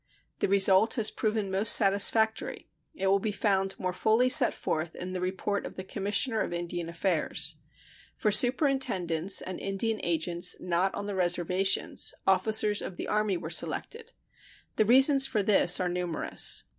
The result has proven most satisfactory. It will be found more fully set forth in the report of the Commissioner of Indian Affairs. For superintendents and Indian agents not on the reservations, officers of the Army were selected. The reasons for this are numerous.